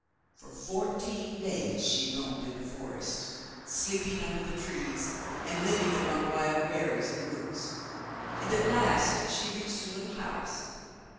For fourteen days she roamed in the forest, sleeping under the trees, and living upon wild berries and roots, and at last she reached a little house.